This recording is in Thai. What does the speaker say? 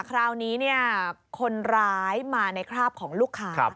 คราวนี้คนร้ายมาในคราบของลูกค้า